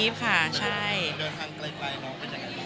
เดินทางไกลมองไปจากนั้นดูว่า